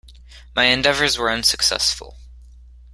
My endeavours were unsuccessful.